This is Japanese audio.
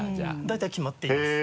大体決まっています。